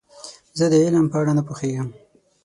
زه د علم په اړه نه پوهیږم.